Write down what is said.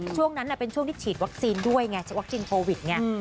ช่วงนั้นเป็นช่วงที่ฉีดวัคซีนด้วยไงวัคซีนโควิดไง